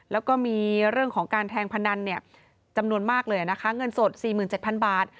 แล้วก็มีเรื่องของการแทงพนันจำนวนมากเลยนะคะเงินสด๔๗๐๐บาท